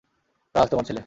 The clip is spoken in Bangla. রাজ তোমার ছেলে।